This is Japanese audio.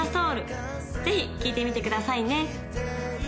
ぜひ聴いてみてくださいね